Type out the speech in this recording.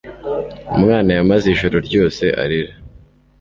Umwana yamaze ijoro ryose arira.